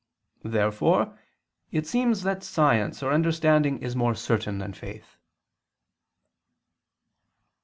Therefore it seems that science or understanding is more certain than faith.